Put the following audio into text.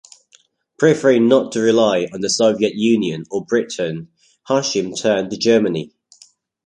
Preferring not to rely on the Soviet Union or Britain, Hashim turned to Germany.